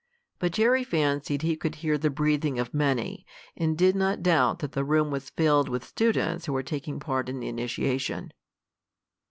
But Jerry fancied he could hear the breathing of many, and did not doubt that the room was filled with students who were taking part in the initiation.